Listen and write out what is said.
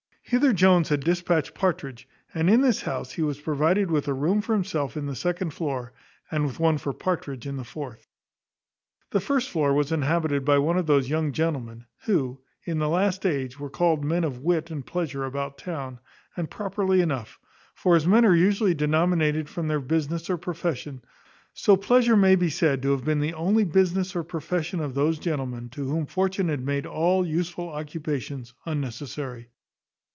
Hither Jones had despatched Partridge, and in this house he was provided with a room for himself in the second floor, and with one for Partridge in the fourth. The first floor was inhabited by one of those young gentlemen, who, in the last age, were called men of wit and pleasure about town, and properly enough; for as men are usually denominated from their business or profession, so pleasure may be said to have been the only business or profession of those gentlemen to whom fortune had made all useful occupations unnecessary.